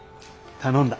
頼んだ。